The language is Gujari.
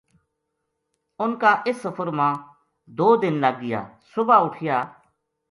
انھ کا اس سفر ما دو دن لگ گیا صبح اُٹھیا